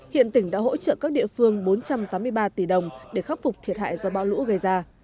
hiện tỉnh đã hỗ trợ các địa phương bốn trăm tám mươi ba tỷ đồng để khắc phục thiệt hại do bão lũ gây ra